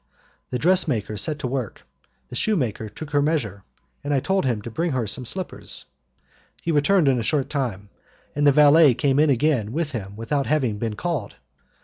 The dressmaker set to work, the shoemaker took her measure, and I told him to bring some slippers. He returned in a short time, and the valet came in again with him without having been called.